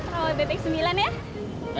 bung terawat detik sembilan ya